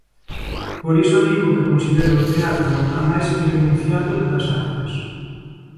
Por iso digo que considero o teatro a máis irrenunciábel das artes.